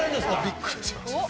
ビックリしますよ。